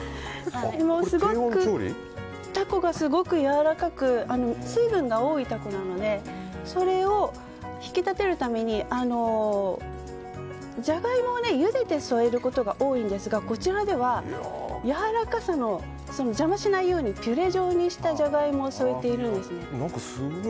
タコがすごくやわらかく水分が多いタコなのでそれを引き立てるためにジャガイモをゆでて添えることが多いんですがこちらでは、やわらかさを邪魔しないようにピュレ状にしたジャガイモを添えてるんですね。